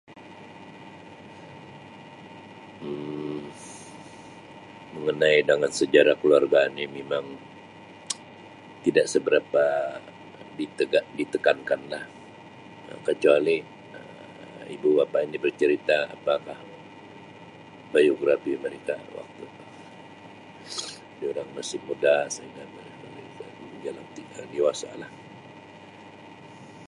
Um Mengenai dengan sejarah keluarga ni memang tidak seberapa ditegak-ditekankan lah kecuali ibu bapa becerita-apa biografi mereka ketika dorang masih muda [unintelligible] dewasa lah.